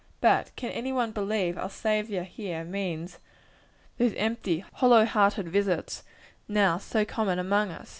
But can any one believe our Saviour here means those empty, hollow hearted visits now so common among us?